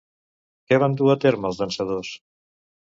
Què van dur a terme els dansadors?